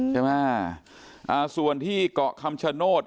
ใช่ไหมส่วนที่เกาะคำชโนธ